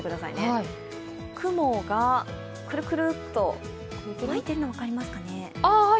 雲がくるくるっと巻いてるの分かりますかね？